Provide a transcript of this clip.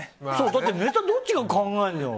だってネタどっちが考えるのよ。